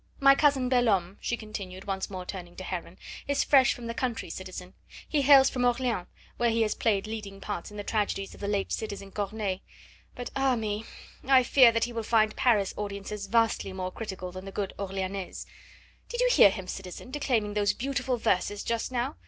My cousin Belhomme," she continued, once more turning to Heron, "is fresh from the country, citizen. He hails from Orleans, where he has played leading parts in the tragedies of the late citizen Corneille. But, ah me! I fear that he will find Paris audiences vastly more critical than the good Orleanese. Did you hear him, citizen, declaiming those beautiful verses just now?